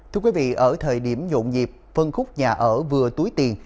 thưa quý vị ở thời điểm dụng dịp phân khúc nhà ở vừa túi tiền